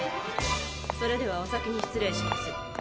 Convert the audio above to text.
それではお先に失礼します。